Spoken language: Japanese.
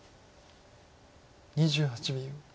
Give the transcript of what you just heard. ２８秒。